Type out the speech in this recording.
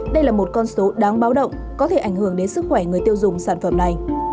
đây là một con số đáng báo động có thể ảnh hưởng đến sức khỏe người tiêu dùng sản phẩm này